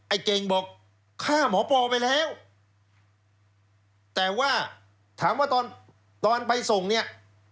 เก่งบอกฆ่าหมอปอไปแล้วแต่ว่าถามว่าตอนตอนไปส่งเนี่ย